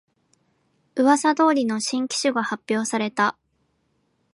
うわさ通りの新機種が発表された